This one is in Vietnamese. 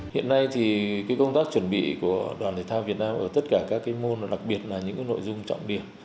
hiện nay thì công tác chuẩn bị của đoàn thể thao việt nam ở tất cả các môn đặc biệt là những nội dung trọng điểm